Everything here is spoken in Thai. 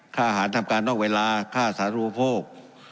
ค่าอาหารทำการนอกเวลาค่าสาธุโภค